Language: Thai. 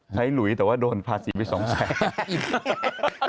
ใช้หลุยแต่ว่าโดนภาษีวิสังแพทย์